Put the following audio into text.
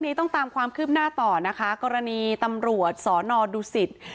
นี้ต้องตามความคืบหน้าต่อนะคะกรณีตำรวจสอนอดุสิต